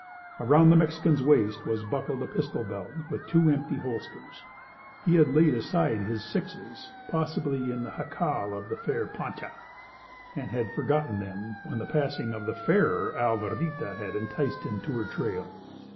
Around the Mexican's waist was buckled a pistol belt with two empty holsters. He had laid aside his sixes—possibly in the jacal of the fair Pancha—and had forgotten them when the passing of the fairer Alvarita had enticed him to her trail.